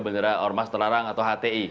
bendera ormas terlarang atau hti